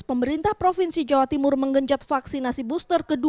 pemerintah provinsi jawa timur mengenjat vaksinasi booster ke dua